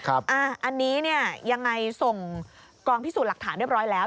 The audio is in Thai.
อันนี้ยังไงส่งกองพิสูจน์หลักฐานเรียบร้อยแล้ว